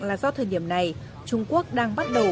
là do thời điểm này trung quốc đang bắt đầu